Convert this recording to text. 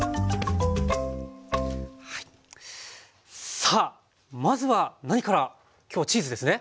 さあまずは何から今日はチーズですね。